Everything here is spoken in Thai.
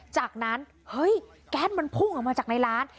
จากนั้นเฮ้ยแก๊สมันพุ่งออกมาจากในร้าน